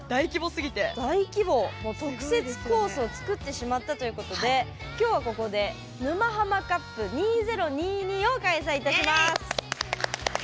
大規模、特設コースを作ってしまったということできょうは、ここで「沼ハマカップ２０２２」を開催いたします。